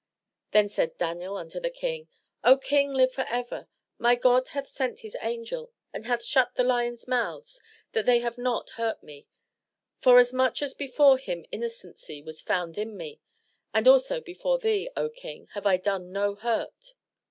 '* Then said Daniel unto the King: 0 King, Uve forever! My God hath sent his angel, and hath shut the lions' mouths, that they have not hurt me; foras much as before him innocency was found in me; and also before thee, O King, have I done no hurt."